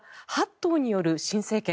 党による新政権。